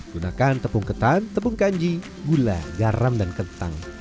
gunakan tepung ketan tepung kanji gula garam dan kentang